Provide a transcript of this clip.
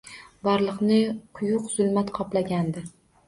Borliqni quyuq zulmat qoplagandi